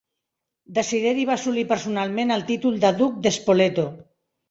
Desideri va assolir personalment el títol de duc de Spoleto.